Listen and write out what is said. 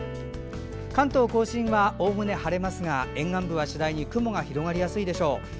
関東・甲信はおおむね晴れますが沿岸部は次第に雲が広がりやすくなるでしょう。